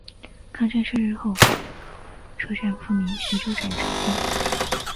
抗战胜利后车站复名徐州站至今。